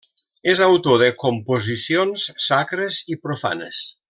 És autor de composicions sacres i profanes.